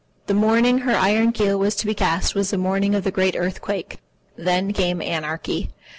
The morning her iron keel was to be cast was the morning of the great earthquake. Then came anarchy.